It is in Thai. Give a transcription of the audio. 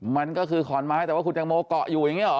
มันก็คือขอนไม้แต่ว่าคุณแตงโมเกาะอยู่อย่างนี้หรอ